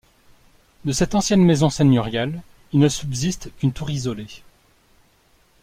De cette ancienne maison seigneuriale, il ne subsiste qu'une tour isolée.